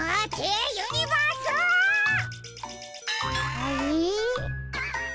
あれ？